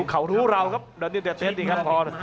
เขารู้เราครับเดี๋ยวเตรียมเตรียมเตรียมดีครับพอ